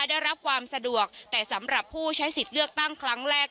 ได้รับความสะดวกแต่สำหรับผู้ใช้สิทธิ์เลือกตั้งครั้งแรก